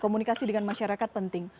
komunikasi dengan masyarakat penting